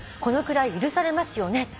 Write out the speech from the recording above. このくらい許されますよね？」